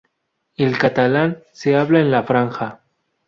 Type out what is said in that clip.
El catalán se habla en la Franja.